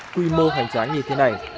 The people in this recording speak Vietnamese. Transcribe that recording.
quy mô hành tráng như thế này